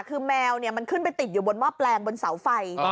คือแมวคืนไปติดอยู่บนมอบแปลงบนเสาไฟ